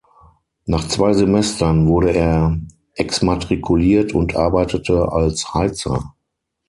Nach zwei Semestern wurde er exmatrikuliert und arbeitete als Heizer.